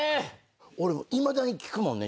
俺いまだに聞くもんね。